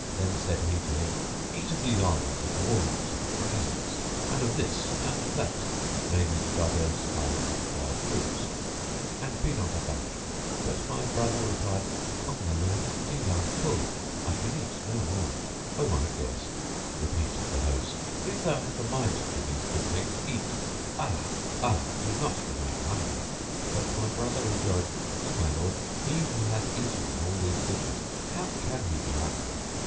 Then said he to him,' "Eat of these almonds and walnuts and raisins; and of this and that (naming divers kinds of dried fruits), and be not abashed." But my brother replied, "O my lord, indeed I am full: I can eat no more." "O my guest," repeated the host, "if thou have a mind to these good things eat: Allah! Allah![FN#691] do not remain hungry;" but my brother rejoined, "O my lord, he who hath eaten of all these dishes how can he be hungry?"